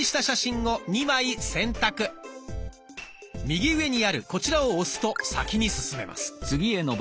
右上にあるこちらを押すと先に進めます。